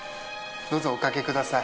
・どうぞおかけください。